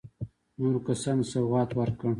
نورو کسانو ته سوغات ورکړ.